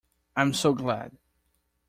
I'm so glad.